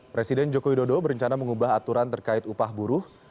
presiden joko widodo berencana mengubah aturan terkait upah buruh